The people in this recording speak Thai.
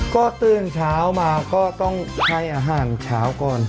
ก็ตื่นเช้ามาก็ต้องให้อาหารเช้าก่อน